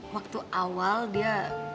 waktu awal dia